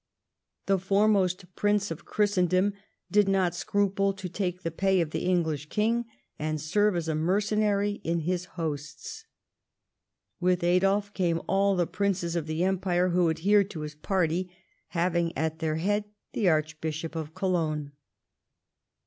The foremost prince of Christendom did not scruple to take the pay of the English king and serve as a mercenary in his hosts. With Adolf came all the princes of the Empire who adhered to his party, having at their head the Archbishop of Cologne.